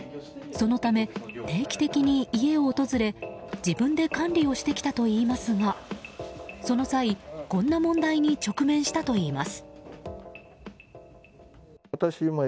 そのため、定期的に家を訪れ自分で管理をしてきたといいますがその際、こんな問題に直面したといいます。